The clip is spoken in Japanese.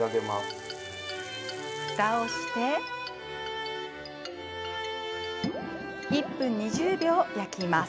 ふたをして１分２０秒焼きます。